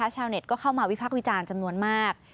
ชาวเน็ตก็เข้ามาวิพักษ์วิจารณ์จำนวนมาก